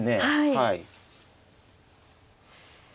はい。